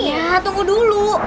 iya tunggu dulu